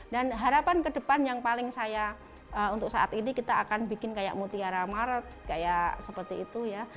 dan harapan kedepan yang paling saya untuk saat ini kita akan bikin kayak mutiara maret kayak seperti itu ya